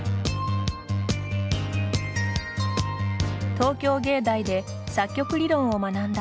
東京芸大で作曲理論を学んだ